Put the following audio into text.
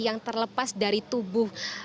yang terlepas dari tubuh